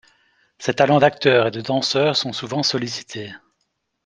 Ses talents d'acteur et de danseur sont souvent sollicités.